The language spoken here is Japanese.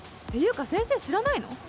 ていうか先生知らないの？